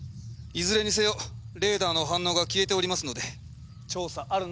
いずれにせよレーダーの反応が消えておりますので調査あるのみです。